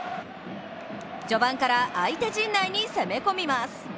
序盤から相手陣内に攻め込みます。